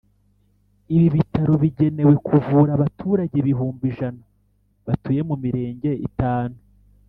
Ibi bitaro bigenewe kuvura abaturage ibihumbi ijana batuye mu mirenge itanu